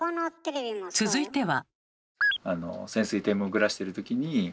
続いては。